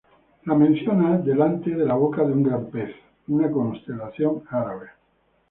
La menciona delante de la boca de un Gran Pez, una constelación árabe.